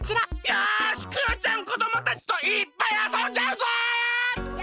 よしクヨちゃんこどもたちといっぱいあそんじゃうぞ！